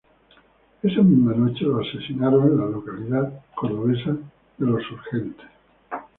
Esa misma noche los asesinaron en la localidad cordobesa de Los Surgentes.